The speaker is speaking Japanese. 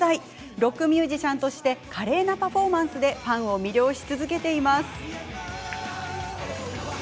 ロックミュージシャンとして華麗なパフォーマンスでファンを魅了し続けています。